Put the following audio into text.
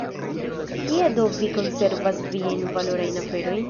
Kie do vi konservas viajn valorajn aferojn?